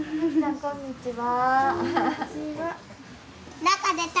こんにちは。